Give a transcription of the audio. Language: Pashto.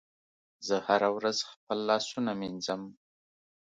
زه هره ورځ خپل لاسونه مینځم.